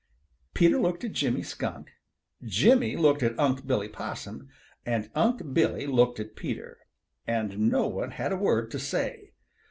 Peter looked at Jimmy Skunk, Jimmy looked at Unc' Billy Possum, and Unc' Billy looked at Peter. And no one had a word to say.